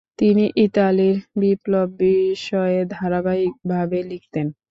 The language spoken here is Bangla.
তিনি ইতালির বিপ্লব বিষয়ে ধারাবাহিকভাবে লিখতেন।